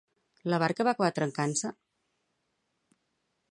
La barca va acabar trencant-se?